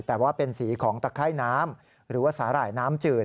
แต่ว่าเป็นสีของตะไคร่น้ำหรือว่าสาหร่ายน้ำจืด